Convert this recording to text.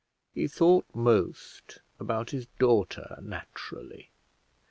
He thought most about his daughter, naturally.